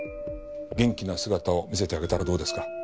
元気な姿を見せてあげたらどうですか？